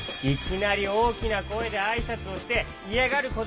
いきなりおおきなこえであいさつをしていやがる